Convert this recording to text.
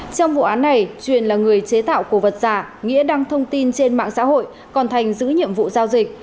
trong vụ án này truyền là người chế tạo cổ vật giả nghĩa đăng thông tin trên mạng xã hội còn thành giữ nhiệm vụ giao dịch